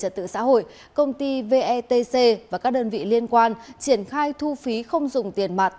trật tự xã hội công ty vetc và các đơn vị liên quan triển khai thu phí không dùng tiền mặt